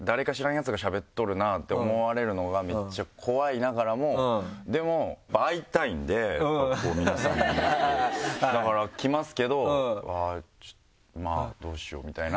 って思われるのがめっちゃ怖いながらもでも会いたいんで皆さんにだから来ますけどまぁどうしようみたいな。